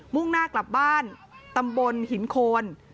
่งหน้ากลับบ้านตำบลหินโคน